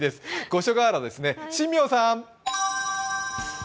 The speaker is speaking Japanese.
五所川原ですね、新名さん。